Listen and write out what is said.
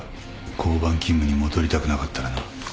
交番勤務に戻りたくなかったらな。